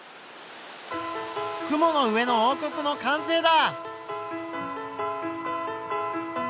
「雲の上の王国」の完成だ！